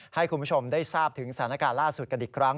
ให้คุณผู้ชมได้ทราบถึงสถานการณ์ล่าสุดกันอีกครั้ง